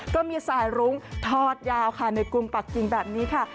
ก็มีสายรุ้งทอดยาวค่ะในกรุงปักกิงแบบนี้ค่ะ